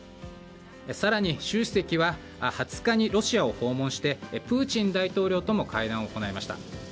更に、習主席は２０日にロシアを訪問してプーチン大統領とも会談を行いました。